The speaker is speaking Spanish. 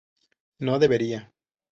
no bebería